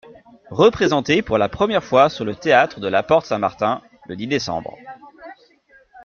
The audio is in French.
Représenté pour la première fois sur le théâtre de la Porte-Saint-Martin (dix déc.